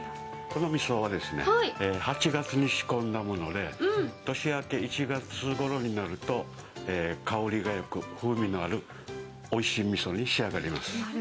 このみそは８月に仕込んだもので年明け１月ごろになると、香りがよく、風味のあるおいしいみそに仕上がります。